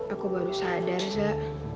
aku baru sadar zek